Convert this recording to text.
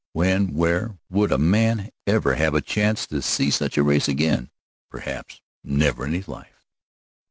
When, where, would a man ever have a chance to see such a race again? Perhaps never in his life.